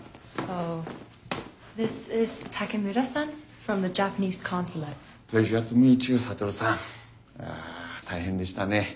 あ大変でしたね。